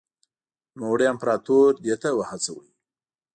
نوموړي امپراتور دې ته وهڅاوه.